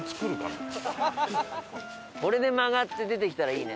これで曲がって出てきたらいいね。